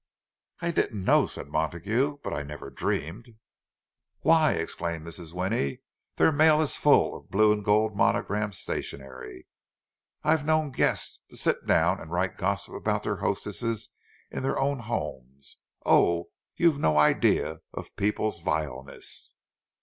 "I didn't know," said Montague. "But I never dreamed—" "Why," exclaimed Mrs. Winnie, "their mail is full of blue and gold monogram stationery! I've known guests to sit down and write gossip about their hostesses in their own homes. Oh, you've no idea of people's vileness!"